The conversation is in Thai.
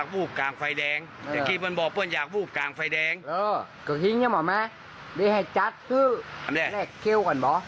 ภาคเหนือคือชัย